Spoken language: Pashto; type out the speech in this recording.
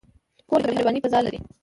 کور د مهربانۍ فضاء لري.